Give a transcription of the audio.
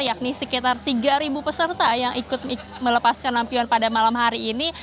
yakni sekitar tiga peserta yang ikut melepaskan lampion pada malam hari ini